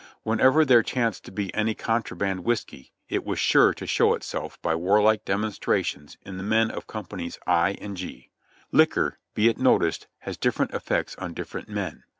Whenever there chanced to be any contraband whiskey it was sure to show itself by warlike demonstrations in the men of companies I and G. Liquor, be it noticed, has different effects on different men.